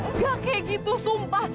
enggak kayak gitu sumpah